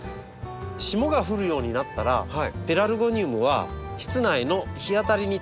霜が降るようになったらペラルゴニウムは室内の日当たりに取り込んでほしいんですね。